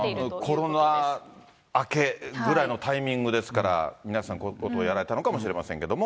だからコロナ明けぐらいのタイミングですから、皆さん、こういうことをやられたのかもしれませんけれども。